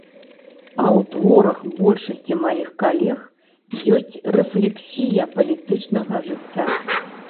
А ў творах большасці маіх калег ёсць рэфлексія палітычнага жыцця.